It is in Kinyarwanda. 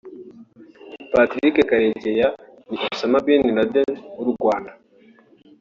Patrick Karegeya ni Osama Bin Laden w’u Rwanda